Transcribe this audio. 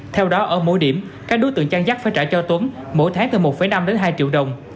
theo đó ở mỗi điểm các đối tượng chăn dắt phải trả cho tuấn mỗi tháng từ một năm đến hai triệu đồng